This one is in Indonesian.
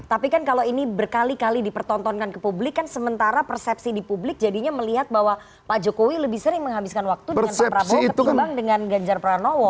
tapi kan kalau ini berkali kali dipertontonkan ke publik kan sementara persepsi di publik jadinya melihat bahwa pak jokowi lebih sering menghabiskan waktu dengan pak prabowo ketimbang dengan ganjar pranowo